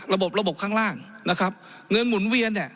ระบบระบบข้างล่างนะครับเงินหมุนเวียนเนี่ย